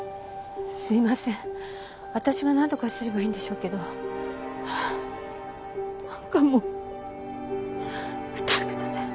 すいません私が何とかすればいいんでしょうけどあぁ何かもうくたくたで。